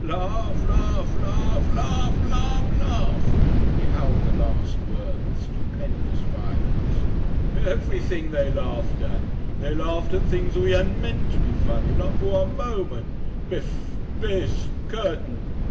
Laugh, laugh, laugh, LAUGH, LAUGH, LAUGH" (he howled the last word with stupendous violence). Everything they laughed at. They laughed at things that we hadn't meant to be funny not for one moment. Bif! Bizz! Curtain.